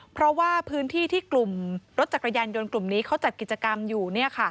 เพราะว่าพื้นที่ที่กลุ่มรถจักรยานยนต์กลุ่มนี้เขาจัดกิจกรรมอยู่